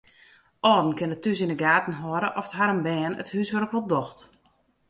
Alden kinne thús yn de gaten hâlde oft harren bern it húswurk wol docht.